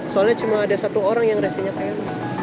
soalnya cuma ada satu orang yang resenya payah